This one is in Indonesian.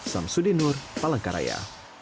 sam sudinur palangkaraya